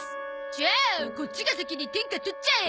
じゃあこっちが先に天下取っちゃえ。